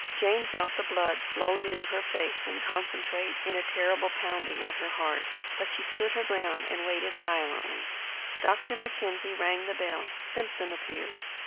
Jane felt the blood slowly leave her face and concentrate in a terrible pounding at her heart. But she stood her ground, and waited silently. Dr. Mackenzie rang the bell. Simpson appeared.